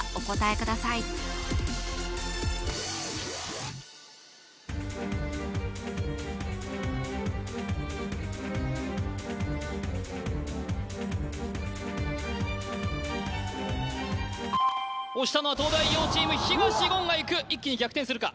ください押したのは東大王チーム東言がいく一気に逆転するか？